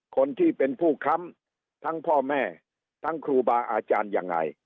คนที่เป็นผู้ค้ำทั้งพ่อแม่ทั้งครูบาอาจารย์ยังไง